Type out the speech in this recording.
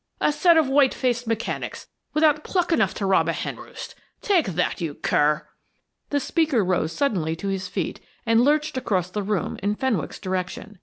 A set of whitefaced mechanics, without pluck enough to rob a hen roost. Take that, you cur!" The speaker rose suddenly to his feet and lurched across the room in Fenwick's direction.